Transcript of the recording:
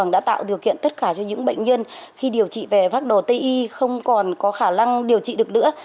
đã tạo điều kiện tất cả cho những bệnh nhân khi điều trị về phác đồ tây y không còn có khả năng điều trị được nữa